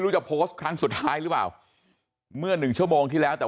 จะโพสต์ครั้งสุดท้ายหรือเปล่าเมื่อหนึ่งชั่วโมงที่แล้วแต่